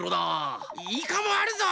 イカもあるぞ！